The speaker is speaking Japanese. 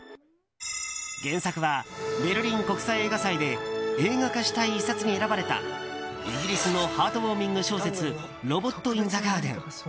原作はベルリン国際映画祭で映画化したい一冊に選ばれたイギリスのハートウォーミング小説「ロボット・イン・ザ・ガーデン」。